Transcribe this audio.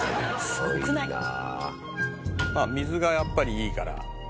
「すごいな」「水がやっぱりいいから」